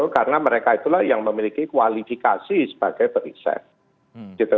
karena mereka itulah yang memiliki kualifikasi sebagai perisai